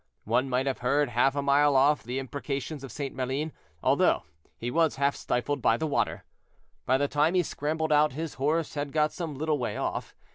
One might have heard half a mile off the imprecations of St. Maline, although he was half stifled by the water. By the time he scrambled out his horse had got some little way off.